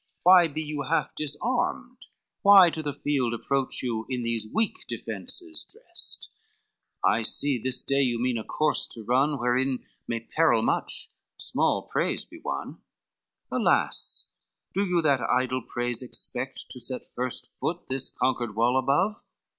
Why be you half disarmed? why to the field Approach you in these weak defences dressed? I see this day you mean a course to run, Wherein may peril much, small praise be won. XXII "Alas, do you that idle prise expect, To set first foot this conquered wall above?